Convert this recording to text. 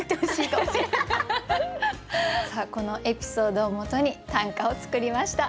このエピソードをもとに短歌を作りました。